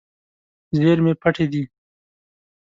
زیرمې پټې دي.